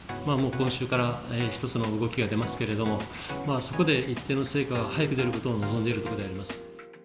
今週から一つの動きが出ますけれども、そこで一定の成果が早く出ることを望んでいるところであります。